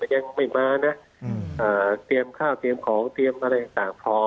ยังไม่มานะเตรียมข้าวเตรียมของเตรียมอะไรต่างพอ